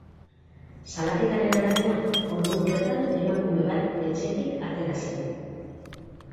Salaketaren arabera, ordu horretan emakume bat etxetik atera zen.